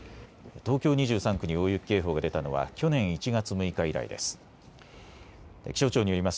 東京２３区に大雪警報が出たのは去年１月６日以来です。